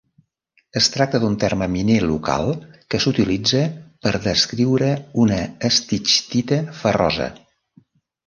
Es tracta d'un terme miner local que s'utilitza per descriure una stichtita ferrosa.